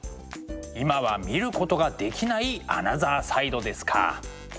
今は見ることができないアナザーサイドですか。